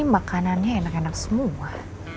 makanannya enak enak semua